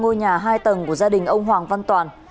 ngọn lửa lan xa ngôi nhà hai tầng của gia đình ông hoàng văn toàn